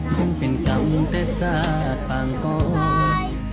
คงเป็นกรรมแต่สาธารณ์ปางโกรธ